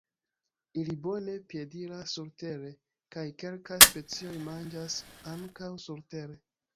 Ili bone piediras surtere, kaj kelkaj specioj manĝas ankaŭ surtere.